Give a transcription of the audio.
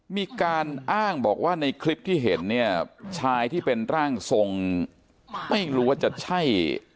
มีการอ้างบอกว่าในคลิปที่เห็นเนี่ยชายที่เป็นร่างทรงไม่รู้ว่าจะใช่